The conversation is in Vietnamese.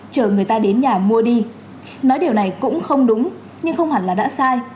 chờ người ta đến nhà mua đi nói điều này cũng không đúng nhưng không hẳn là đã sai